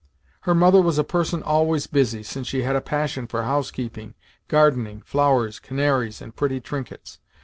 Her mother was a person always busy, since she had a passion for housekeeping, gardening, flowers, canaries, and pretty trinkets.